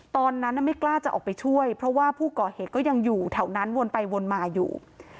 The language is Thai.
ตอนนั้นไม่กล้าจะออกไปช่วยเพราะว่าผู้ก่อเหตุก็ยังอยู่แถวนั้นวนไปวนมาอยู่